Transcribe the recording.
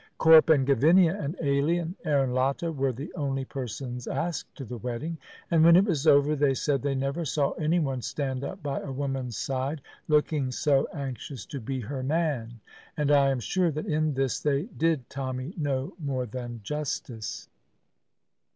Corp and Gavinia and Ailie and Aaron Latta were the only persons asked to the wedding, and when it was over, they said they never saw anyone stand up by a woman's side looking so anxious to be her man; and I am sure that in this they did Tommy no more than justice.